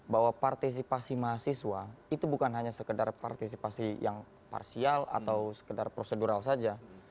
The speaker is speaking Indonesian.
bahwa partisipasi mahasiswa itu bukan hanya sekedar partisipasi yang parsial atau sekedar prosedural saja